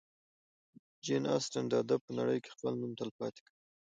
جین اسټن د ادب په نړۍ کې خپل نوم تلپاتې کړ.